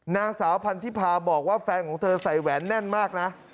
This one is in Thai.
นางสาวพันธิพาบอกว่าแฟนของเธอใส่แหวนแน่นมากนะ